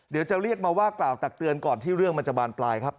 เดี๋ยวจะเรียกมาว่ากล่าวตักเตือนก่อนที่เรื่องมันจะบานปลายครับ